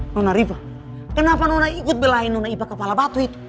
nona riva kenapa nona ikut belahin nonipa kepala batu itu